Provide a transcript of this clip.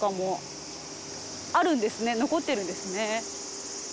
残ってるんですね。